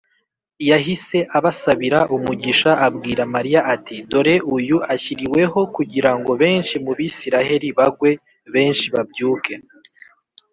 yahise abasabira umugisha, abwira Mariya ati, “Dore uyu ashyiriweho kugira ngo benshi mu Bisiraheli bagwe, benshi babyuke,